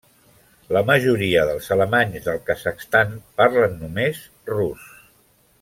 La majoria d'alemanys del Kazakhstan parlen només rus.